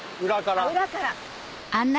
裏から。